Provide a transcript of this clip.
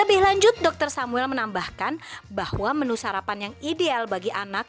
lebih lanjut dokter samuel menambahkan bahwa menu sarapan yang ideal bagi anak